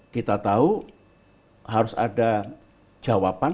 kita tahu harus ada jawaban